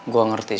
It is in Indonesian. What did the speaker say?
gue ngerti sih